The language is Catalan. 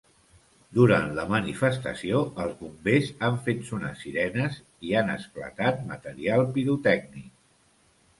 Durant la manifestació els bombers han fet sonar sirenes i han esclatat material pirotècnic.